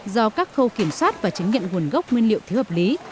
do các khâu kiểm soát và chứng nhận nguồn gốc nguyên liệu thiếu hợp lý